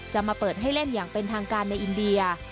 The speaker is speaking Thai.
มาเปิดให้เล่นอย่างเป็นทางการในอินเดีย